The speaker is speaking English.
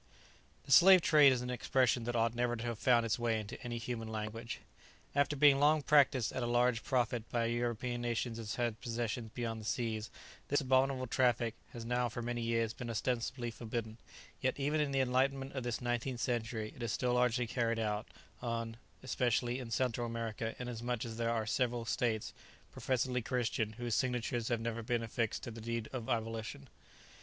The "slave trade" is an expression that ought never to have found its way into any human language. After being long practised at a large profit by such European nations as had possessions beyond the seas, this abominable traffic has now for many years been ostensibly forbidden; yet even in the enlightenment of this nineteenth century, it is still largely carried on, especially in Central Africa, inasmuch as there are several states, professedly Christian, whose signatures have never been affixed to the deed of abolition.